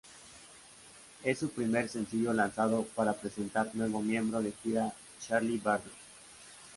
Es su primer sencillo lanzado para presentar nuevo miembro de gira Charlie Barnes.